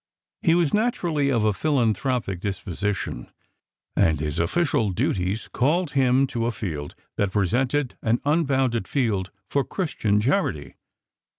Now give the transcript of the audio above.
He was naturally of a philanthropic disposition, and his official duties called him to a field that presented an unbounded field for Christian charity.